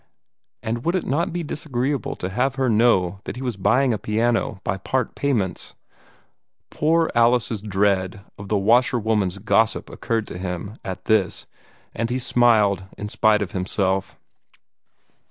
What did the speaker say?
And would it not be disagreeable to have her know that he was buying a piano by part payments? Poor Alice's dread of the washerwoman's gossip occurred to him, at this, and he smiled in spite of himself.